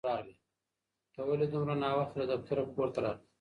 ته ولې دومره ناوخته له دفتره کور ته راغلې؟